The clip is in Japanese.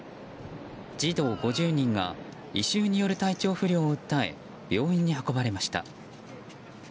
児童５０人が異臭による体調不良を訴え病院に運ばれました。